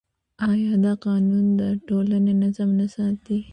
آیا دا قانون د ټولنې نظم نه ساتي؟